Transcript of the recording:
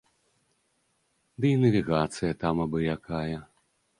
Ды і навігацыя там абы якая.